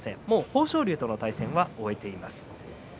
豊昇龍との対戦は終えています。